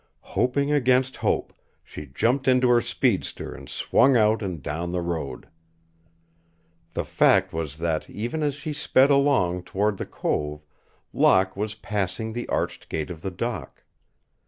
Hoping against hope, she jumped into her speedster and swung out and down the road. The fact was that even as she sped along toward the cove Locke was passing the arched gate of the dock.